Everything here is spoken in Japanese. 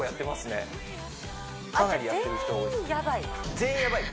かなりやってる人多いです